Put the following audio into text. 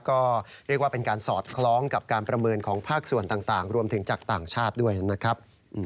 ก็เรียกว่าเป็นการสอดคล้องกับการประเมินของภาคส่วนต่างรวมถึงจากต่างชาติด้วยนะครับ